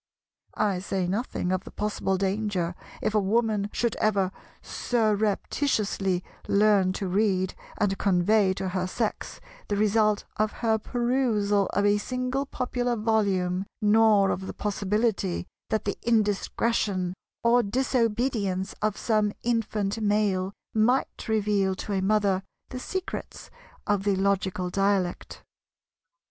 I say nothing of the possible danger if a Woman should ever surreptitiously learn to read and convey to her Sex the result of her perusal of a single popular volume; nor of the possibility that the indiscretion or disobedience of some infant Male might reveal to a Mother the secrets of the logical dialect.